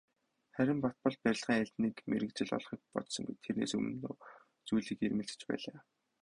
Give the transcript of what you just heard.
Харин Батболд барилгын аль нэг мэргэжил олохыг бодсонгүй, тэс өмнөө зүйлийг эрмэлзэж байлаа.